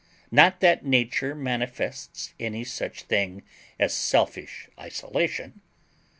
Not that Nature manifests any such thing as selfish isolation.